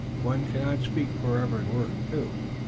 One cannot speak forever and work, too."